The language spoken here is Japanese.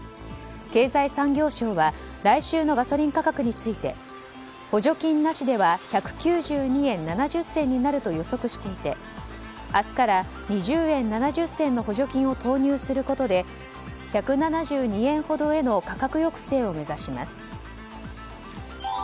経済産業省は来週のガソリン価格について補助金なしでは１９２円７０銭になると予測していて明日から２０円７０銭の補助金を投入することで１７２円ほどへの価格抑制を目指します。